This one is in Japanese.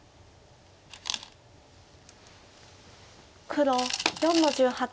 黒４の十八。